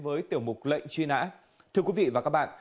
với tiểu mục lệnh truy nã thưa quý vị và các bạn